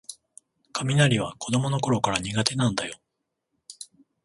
雷は子どものころから苦手なんだよ